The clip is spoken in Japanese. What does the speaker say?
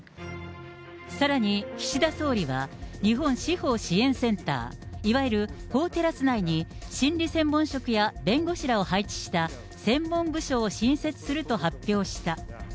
さらに、岸田総理は日本司法支援センター、いわゆる法テラス内に、心理専門職や弁護士らを配置した専門部署を新設すると発表した。